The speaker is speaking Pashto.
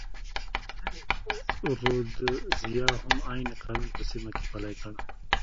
رودزیا هم عین قانون په سیمه کې پلی کړ.